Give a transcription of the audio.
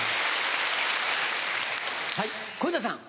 はい小遊三さん。